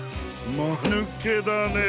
まぬけだねえ。